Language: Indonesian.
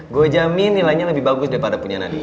gue jamin nilainya lebih bagus daripada punya nadie